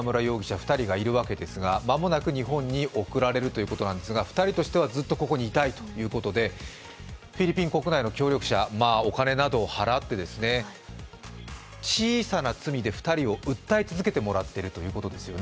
２人がいるわけですが、まもなく日本に送られるということなんですが２人としては、ずっとここにいたいということで、フィリピン国内の協力者、お金などを払って小さな罪で２人を訴え続けてもらっているということですよね。